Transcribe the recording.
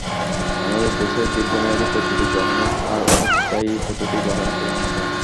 আমাদের দেশে দীর্ঘমেয়াদি পদ্ধতি গ্রহণের হার অস্থায়ী পদ্ধতি গ্রহণের তুলনায় কম।